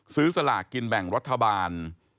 สลากกินแบ่งรัฐบาล